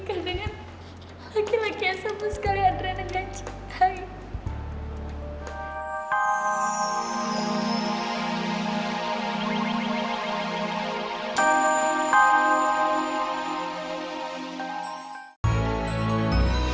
adriana menikah dengan laki laki yang sama sekali adriana gak cintai